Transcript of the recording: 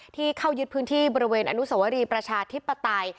ที่เข้ายึดพื้นที่บริเวณอนุสวรีประชาธิปไตย